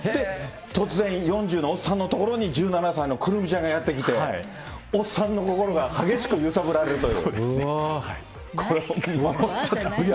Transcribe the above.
突然、４０のおっさんのところに１７歳のくるみちゃんがやって来て、おっさんの心が激しく揺さぶられるという。